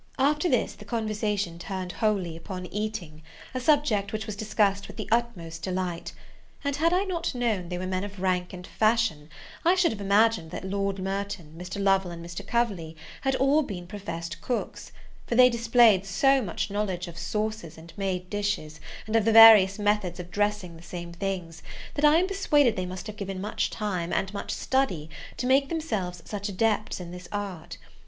After this the conversation turned wholly upon eating, a subject which was discussed with the utmost delight; and, had I not known they were men of rank and fashion, I should have imagined that Lord Merton, Mr. Lovel, and Mr. Coverley, had all been professed cooks; for they displayed so much knowledge of sauces and made dishes, and of the various methods of dressing the same things, that I am persuaded they must have given much time, and much study, to make themselves such adepts in this art.